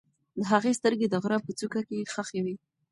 د هغې سترګې د غره په څوکه کې خښې وې.